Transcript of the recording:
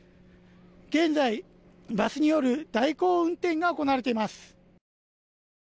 現在バスによる代行運転が行われています。